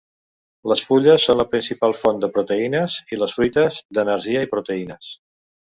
Les fulles són la principal font de proteïnes i les fruites d'energia i proteïnes.